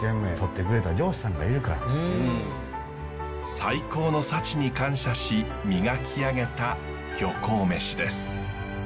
最高の幸に感謝し磨き上げた漁港めしです。